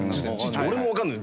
俺もわからない。